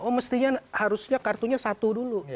oh mestinya harusnya kartunya satu dulu